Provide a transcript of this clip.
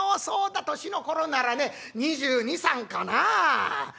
そうだ年の頃ならね２２２３かなあ？